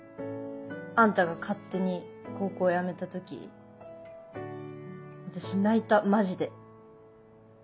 あんたが勝手に高校辞めた時私泣いたマジで。